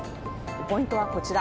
ポイントは、こちら。